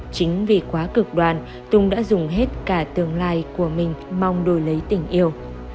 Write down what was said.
chính vì quá cực đoàn tùng đã dùng hết cả tương lai của mình mong đổi lấy tình yêu